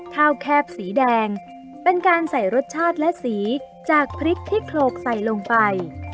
แคบสีแดงเป็นการใส่รสชาติและสีจากพริกที่โคลกใส่ลงไป